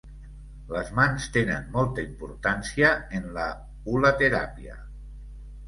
Les mans tenen molta importància, en la hulateràpia.